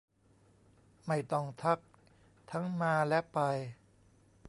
ไม่ต้องทักทั้งมาและไป